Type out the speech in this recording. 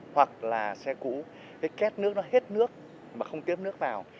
hoặc là xe cũ cái kết nước nó hết nước mà không tiếp nước vào